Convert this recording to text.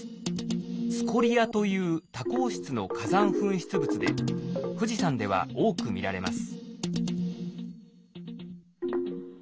スコリアという多孔質の火山噴出物で富士山では多く見られます。